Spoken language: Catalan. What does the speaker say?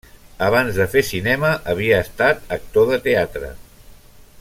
Abans de fer cinema havia estat actor de teatre.